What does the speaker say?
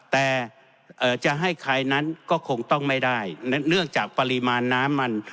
แต่จะให้ใครนั้นก็คงต้องไม่ได้เนื่องจากปริมาณน้ำมัน